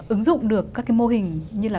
ứng dụng được các cái mô hình như là